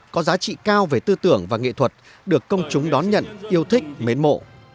có giá trị cao về tư tưởng và nghệ thuật được công chúng đón nhận yêu thích mến mộ